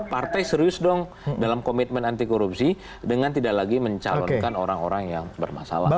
partai serius dong dalam komitmen anti korupsi dengan tidak lagi mencalonkan orang orang yang bermasalah